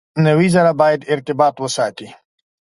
نوي زره باید ارتباطات وساتي.